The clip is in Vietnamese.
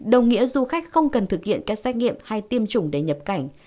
đồng nghĩa du khách không cần thực hiện các xét nghiệm hay tiêm chủng để nhập cảnh